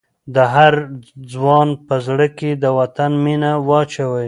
د هر ځوان په زړه کې د وطن مینه واچوئ.